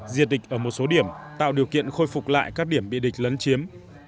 diệt địch ở một số điểm tạo điều kiện khôi phục lại các điểm bị địch lấn chiếm